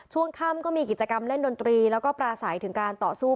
ช่วงค่ำก็มีกิจกรรมเล่นดนตรีแล้วก็ปราศัยถึงการต่อสู้